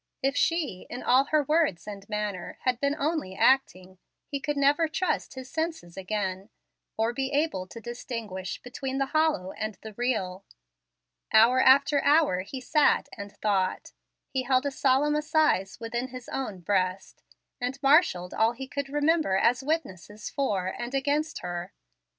If she, in all her words and manner, had been only acting, he could never trust his senses again, or be able to distinguish between the hollow and the real. Hour after hour he sat and thought. He held a solemn assize within his own breast, and marshalled all he could remember as witnesses for and against her.